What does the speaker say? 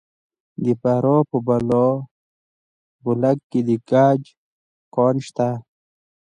د فراه په بالابلوک کې د ګچ کان شته.